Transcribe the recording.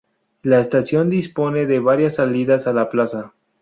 La estación dispone de varias salidas a la plaza.